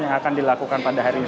yang akan dilakukan pada hari ini